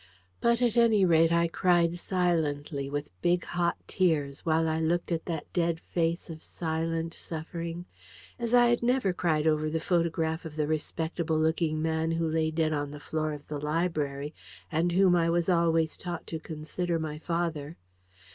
But at any rate, I cried silently, with big hot tears, while I looked at that dead face of silent suffering, as I never had cried over the photograph of the respectable looking man who lay dead on the floor of the library, and whom I was always taught to consider my father.